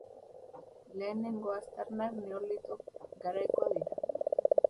Lehenengo aztarnak Neolito garaikoak dira.